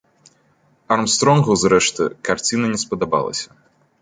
Армстронгу, зрэшты, карціна не спадабалася.